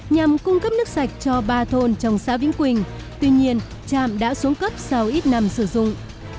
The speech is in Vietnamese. nhằm cung cấp nước sạch cho ba thôn trong xã vĩnh quỳnh tuy nhiên trạm đã xuống cấp sau ít năm sử dụng